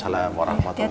selamat jalan ya